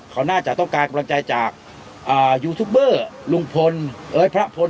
เขาน่าจะต้องการกำลังใจจากยูทูปเบอร์ลุงพลเอ้ยพระพล